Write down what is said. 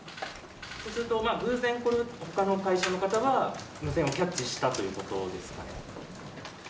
そうすると、偶然、他の会社の方は無線をキャッチしたということですか？